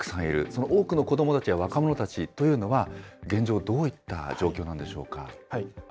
その多くの子どもたちや若者たちというのは、現状、どういった状況なんでしょうか。